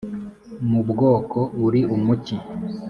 mu bwoko uri umuki’